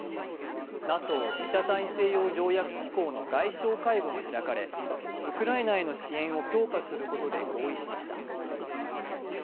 ＮＡＴＯ＝北大西洋条約機構の外相会合が開かれウクライナへの支援を強化することで合意しました。